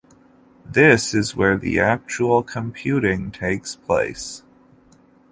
This is where the actual computing takes place.